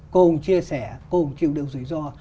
cùng chia sẻ cùng chịu được rủi ro